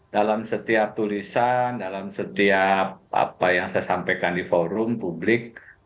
dalam setiap tulisan dalam setiap apa yang saya sampaikan di forum publik